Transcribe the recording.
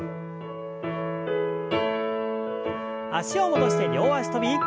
脚を戻して両脚跳び。